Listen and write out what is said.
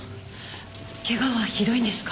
けがはひどいんですか？